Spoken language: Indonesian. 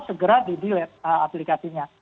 segera di delete aplikasinya